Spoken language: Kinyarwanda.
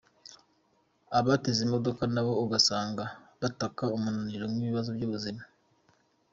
Abateze imodoka nabo ugasanga bataka umunaniro n’ibibazo by’ubuzima.